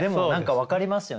分かります。